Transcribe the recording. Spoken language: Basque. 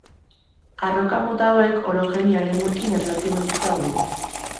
Arroka mota hauek, orogenia eremuekin erlazionatuta daude.